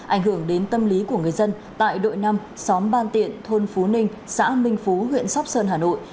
ảnh hưởng đến tâm lý của người dân tại đội năm xóm ban tiện thôn phú ninh xã minh phú huyện sóc sơn hà nội